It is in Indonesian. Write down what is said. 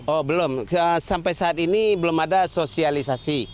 oh belum sampai saat ini belum ada sosialisasi